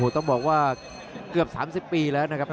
ต้องบอกว่าเกือบ๓๐ปีแล้วนะครับ